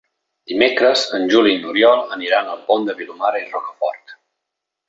Dimecres en Juli i n'Oriol aniran al Pont de Vilomara i Rocafort.